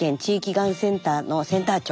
がんセンターのセンター長。